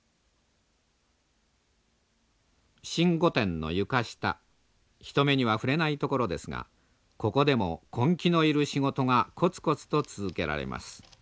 新御殿の床下人目には触れない所ですがここでも根気のいる仕事がコツコツと続けられます。